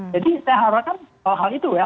jadi saya harapkan hal itu ya